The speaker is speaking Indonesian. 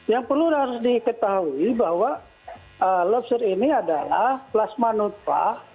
yang perlu harus diketahui bahwa lobster ini adalah plasma nutpa